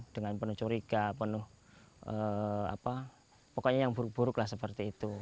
dengan penuh curiga penuh apa pokoknya yang buruk buruk lah seperti itu